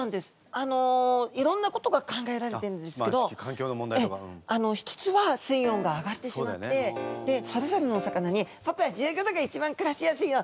あのいろんなことが考えられてるんですけど一つは水温が上がってしまってでそれぞれのお魚に「ぼくは１５度が一番くらしやすいよ」